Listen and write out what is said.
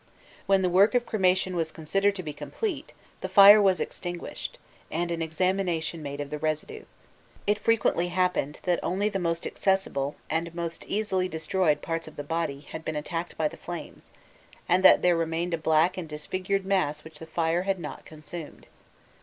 When the work of cremation was considered to be complete, the fire was extinguished, and an examination made of the residue. It frequently happened that only the most accessible and most easily destroyed parts of the body had been attacked by the flames, and that there remained a black and disfigured mass which the fire had not consumed.